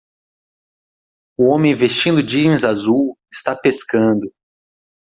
O homem vestindo jeans azul está pescando